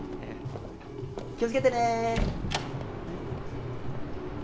気をつけてね。